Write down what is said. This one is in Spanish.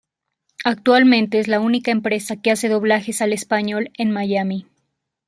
Actualmente es la única empresa que hace doblajes al español en Miami.